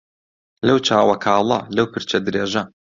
لەو چاوە کاڵە لەو پرچە درێژە